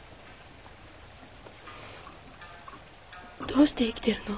どうして生きてるの？